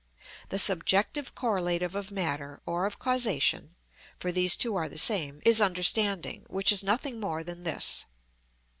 The subjective correlative of matter or of causation, for these two are the same, is understanding, which is nothing more than this.